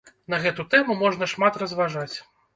На гэту тэму можна шмат разважаць.